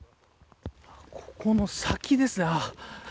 この先ですね。